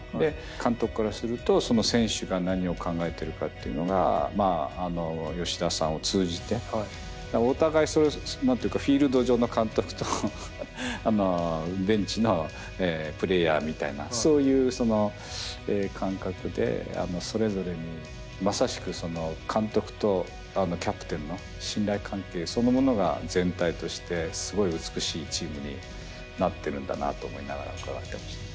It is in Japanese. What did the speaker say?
監督からすると選手が何を考えてるかっていうのが吉田さんを通じて。お互い何て言うかフィールド上の監督とベンチのプレーヤーみたいなそういう感覚でそれぞれにまさしくその監督とキャプテンの信頼関係そのものが全体としてすごい美しいチームになってるんだなと思いながら伺ってました。